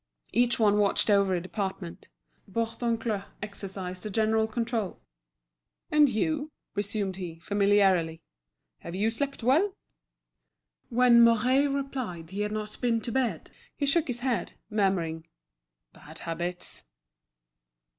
Each one watched over a department. Bourdoncle exercised a general control. "And you," resumed he, familiarly, "have you slept well?" When Mouret replied that he had not been to bed, he shook his head, murmuring: "Bad habits."